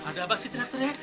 ada apa sih dokter ya